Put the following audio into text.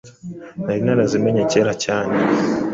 nari narazimenye kera cyane